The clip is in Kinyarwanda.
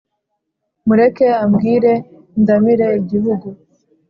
Mureke ambwire ndamire igihugu